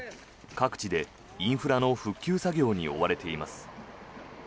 各地でインフラの復旧作業に追われています。